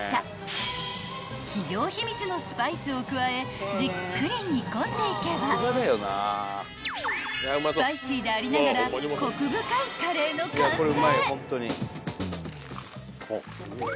［加えじっくり煮込んでいけばスパイシーでありながらコク深いカレーの完成］